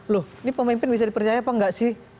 loh ini pemimpin bisa dipercaya apa nggak sih